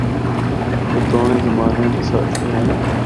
اے دونڑے زمانیاں دے ساتھی ہن۔